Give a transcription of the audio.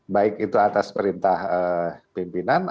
baik itu atas perintah pimpinan